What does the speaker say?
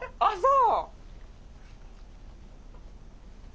あっそう。